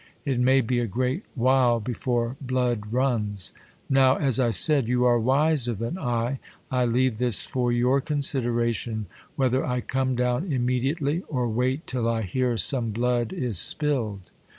It may be a great while before blood runs. Now, as I said, you are wiser than I, I leave this for your con sideration, whether I come down immediately, or wait till I hear some blood is spilkd.